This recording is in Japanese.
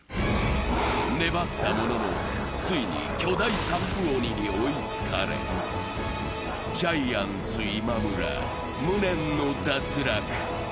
粘ったものの、ついに巨大サップ鬼に追いつかれジャイアンツ・今村、無念の脱落。